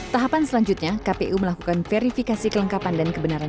tahapan selanjutnya kpu melakukan verifikasi kelengkapan dan kebenaran